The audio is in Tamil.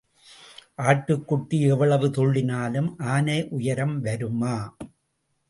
ஆட்டுக்குட்டி எவ்வளவு துள்ளினாலும் ஆனைஉயரம் வருமா?